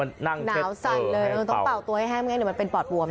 ไม่ต้องเป่าตัวให้แห้งมันก็ปลอดภวม